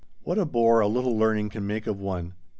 "What a bore a little learning can make of one!